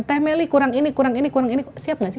teh meli kurang ini kurang ini kurang ini siap nggak sih